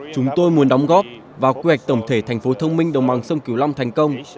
chúng tôi muốn đóng góp vào quy hoạch tổng thể thành phố thông minh đồng bằng sông cửu long thành công